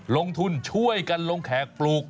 ลงทุนช่วยกันลงแขกปลูก